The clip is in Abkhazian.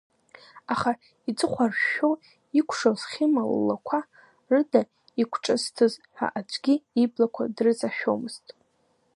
Аха иҵыхәаршәшәо икәшоз Хьыма ллақәа рыда иқәҿызҭыз ҳәа аӡәгьы иблақәа дрыҵашәомызт.